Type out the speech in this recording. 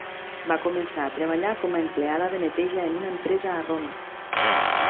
Va començar a treballar com a empleada de neteja en una empresa a Roma.